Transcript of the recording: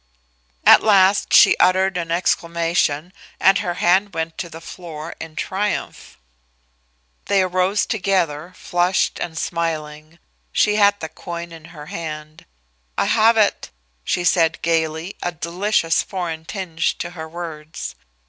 At last she uttered an exclamation, and her hand went to the floor in triumph. They arose together, flushed and smiling. She had the coin in her hand. "I have it," she said, gaily, a delicious foreign tinge to the words.